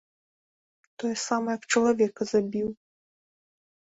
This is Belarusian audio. Тое самае, як чалавека забіў.